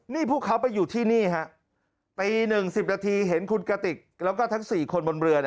นี่พวกเขาไปอยู่ที่นี่ฮะตี๑๐นาทีเห็นคุณกติกแล้วก็ทั้ง๔คนบนเรือ